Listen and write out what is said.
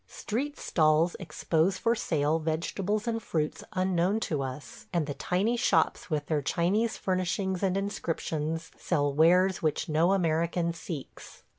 Street stalls expose for sale vegetables and fruits unknown to us, and the tiny shops with their Chinese furnishings and inscriptions sell wares which no American seeks.